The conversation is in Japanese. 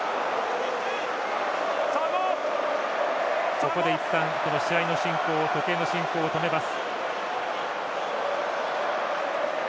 ここで、いったん試合の進行時計の進行を止めます。